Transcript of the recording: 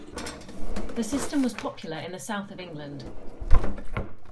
The system was popular in the south of England.